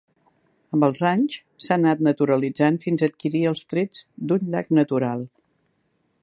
Amb els anys, s’ha anat naturalitzant fins a adquirir els trets d’un llac natural.